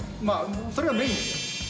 それがメインです。